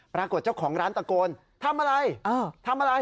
ปรากฏเจ้าของร้านตะโกนทำอะไรทำอะไร